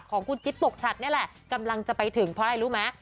ของคุณจิ๊บปกชัดนี่แหละกำลังจะไปถึงเพราะอะไรรู้ไหม